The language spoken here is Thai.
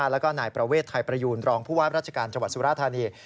แล้วก็นายประเวทไทยประยูนรองผู้ว่าราชการจังหวัดสุราธานี